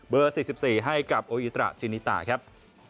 เบอร์๔๔ให้กับโอยิตราชินิตาครับ